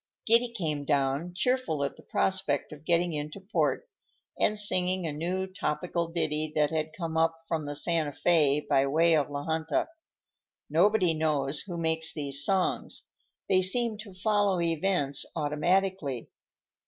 Giddy came down, cheerful at the prospect of getting into port, and singing a new topical ditty that had come up from the Santa Fé by way of La Junta. Nobody knows who makes these songs; they seem to follow events automatically.